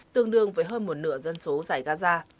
tương đương với hơn một nửa dân số giải gaza